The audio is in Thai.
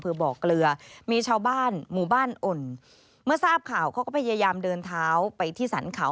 บ่อเกลือมีชาวบ้านหมู่บ้านอุ่นเมื่อทราบข่าวเขาก็พยายามเดินเท้าไปที่สรรเขา